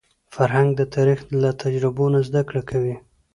فرهنګ د تاریخ له تجربو نه زده کړه کوي.